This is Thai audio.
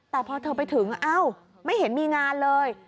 แต่พอเธอไปถึงเอ้าไม่เห็นมีงานเลย